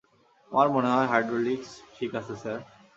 আমার মনে হয় হাইড্রোলিক্স ঠিক আছে, স্যার।